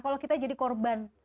kalau kita jadi korban